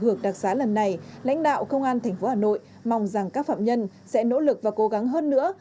trong đợt đặc sá lần này lãnh đạo công an tp hà nội mong rằng các phạm nhân sẽ nỗ lực và cố gắng hơn nữa